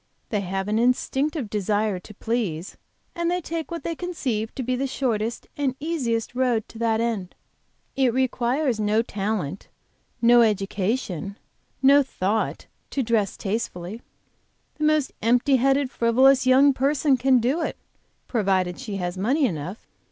They have an instinctive desire to please, and they take what they conceive to be the shortest and easiest road to that end. It requires no talent, no education, no thought to dress tastefully; the most empty hearted frivolous young person can do it, provided she has money enough.